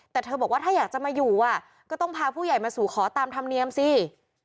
แต่เธอบอกว่าถ้าอยากจะมาอยู่ก็ต้องพาผู้ใหญ่มาสู่ขอตามธรรมเนียมสิ